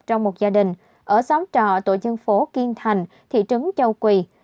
trong một gia đình ở xóm trò tổ dân phố kiên thành thị trấn châu quỳ